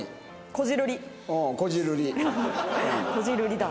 こじるりだ。